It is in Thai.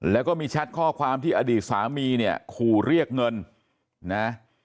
แล้วก็มีแชทข้อความที่อดีตสามีเนี่ยขู่เรียกเงินนะ